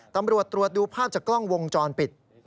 ตำรวจตรวจดูภาพจากกล้องวงจรปิด